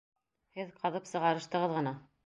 Һеҙ ҡаҙып сығарыштығыҙ ғына!